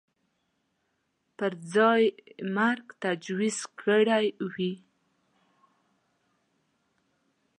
پر ځای مرګ تجویز کړی وي